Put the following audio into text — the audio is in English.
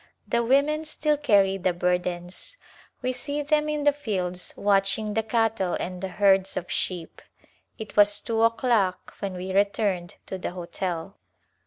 The women still carry the burdens. We see them in the fields watching the cattle and the herds of sheep. It was two o'clock when we returned to the hotel.